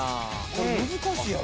「これ難しいやろ？